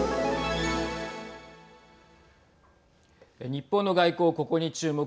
日本の外交、ここに注目。